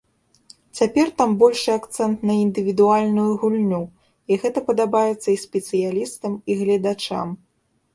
Цяпер там большы акцэнт на індывідуальную гульню, і гэта падабаецца і спецыялістам, і гледачам.